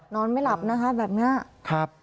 นอนไม่หลับนะคะแบบนี้ครับ